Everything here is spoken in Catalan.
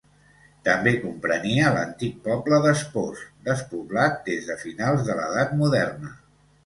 També comprenia l'antic poble d'Espós, despoblat des de finals de l'Edat moderna.